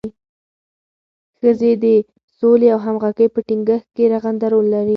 ښځې د سولې او همغږۍ په ټینګښت کې رغنده رول لري.